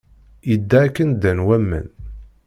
Yedda akken ddan waman.